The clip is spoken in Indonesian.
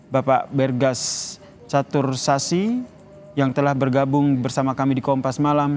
bapak bergas catursasi yang telah bergabung bersama kami di kompas malam